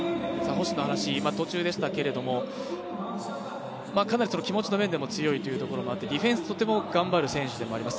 星、かなり気持ちの面でも強いというところもあってディフェンス、とても頑張る選手でもあります。